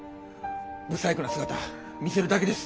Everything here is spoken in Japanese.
不細工な姿見せるだけです。